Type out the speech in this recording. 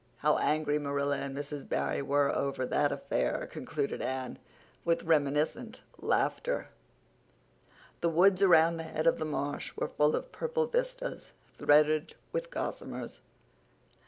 How angry Marilla and Mrs. Barry were over that affair," concluded Anne, with reminiscent laughter. The woods around the head of the marsh were full of purple vistas, threaded with gossamers.